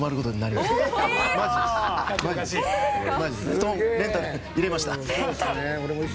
布団レンタル、入れました。